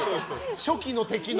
初期の敵の。